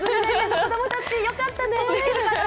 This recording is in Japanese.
子供たちよかったね。